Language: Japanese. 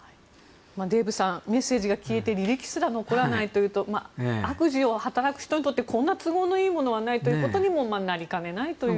デーブさんメッセージが消えて履歴すら残らないというと悪事を働く人にとってこんな都合のいいものはないということにもなりかねないという。